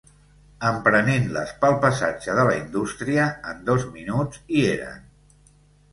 Emprenent-les pel passatge de la Indústria, en dos minuts hi eren.